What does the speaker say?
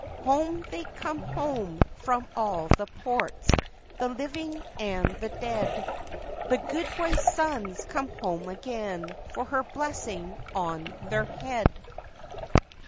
Home, they come home from all the ports, The living and the dead; The good wife's sons come home again For her blessing on their head!